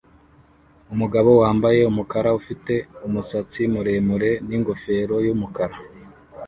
Umugabo wambaye umukara ufite umusatsi muremure ningofero yumukara